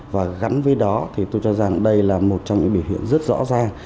và gắn với đó thì tôi cho rằng đây là một trong những biểu hiện rất rõ ràng